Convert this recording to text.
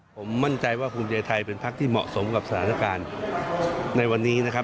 ผมมั่นใจว่าภูมิใจไทยเป็นพักที่เหมาะสมกับสถานการณ์ในวันนี้นะครับ